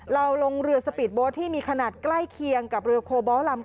ลงเรือสปีดโบ๊ทที่มีขนาดใกล้เคียงกับเรือโคบอลลำ